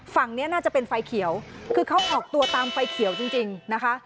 ฝั่งนี้น่าจะเป็นไฟเขียวคือเขาออกตัวตามไฟเขียวจริงนะคะ